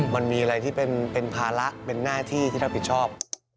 มันมีอะไรที่เป็นภาระเป็นหน้าที่ที่รับผิดชอบ